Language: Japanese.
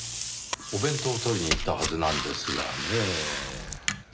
お弁当を取りに行ったはずなんですがねぇ。